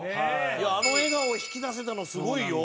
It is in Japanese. いやあの笑顔を引き出せたのすごいよ。